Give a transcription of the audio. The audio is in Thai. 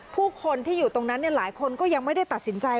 ผู้คนที่อยู่ตรงนั้นหลายคนก็ยังไม่ได้ตัดสินใจ